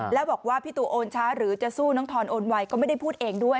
แล้วบอกว่าพี่ตูโอนช้าหรือจะสู้น้องทอนโอนไวก็ไม่ได้พูดเองด้วย